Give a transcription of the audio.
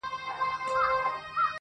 o د گوړي په ويلو خوله نه خوږېږي٫